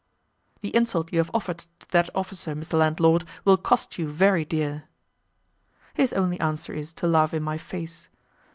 "The insult you have offered to that officer, Mr. Landlord, will cost you very dear." His only answer is to laugh in my face.